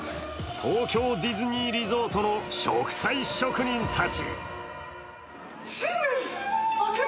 東京ディズニーリゾートの植栽職人たち。